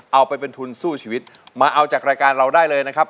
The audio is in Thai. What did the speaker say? เอาไปเป็นทุนสู้ชีวิตมาเอาจากรายการเราได้เลยนะครับ